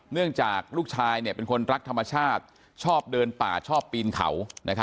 เนื่องจากลูกชายเป็นคนรักธรรมชาติชอบเดินป่าชอบปีนเขา